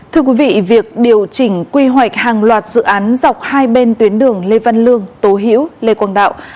thưa quý vị việc điều chỉnh quy hoạch hàng loạt dự án dọc hai bên tuyến đường lê văn lương tố hữu lê quang đạo